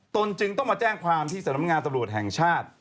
ตนจึงต้องมาแจ้งความที่สำนักงานตำรวจแห่งชาติ